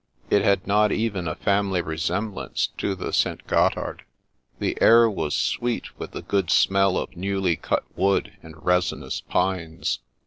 It had not even a family resemblance to the St. Gothard. The air was sweet with the good smell of newly cut wood and resinous pines.